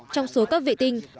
trong số các vệ tinh